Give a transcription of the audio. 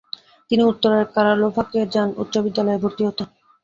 তিনি উত্তরের কারলোভাকে যান উচ্চ বিদ্যালয়ে ভর্তি হতে।